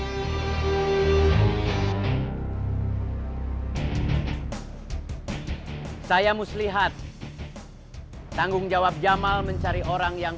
hai saya muslihat tanggungjawab jamal mencari orang yang